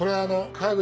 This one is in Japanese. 川口